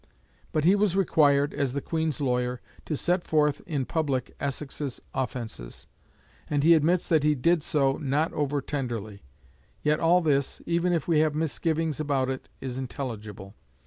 But he was required, as the Queen's lawyer, to set forth in public Essex's offences; and he admits that he did so "not over tenderly." Yet all this, even if we have misgivings about it, is intelligible.